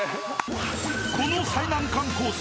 ［この最難関コース